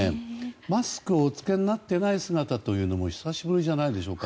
マスクをお着けになっていない姿というのも久しぶりじゃないでしょうか。